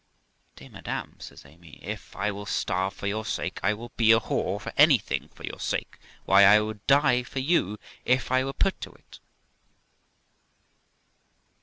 ' Dear madam ', says Amy, ' if I will starve for your sake, I will be a whore or anything for your sake ; why, I would die for you if I were put to it.'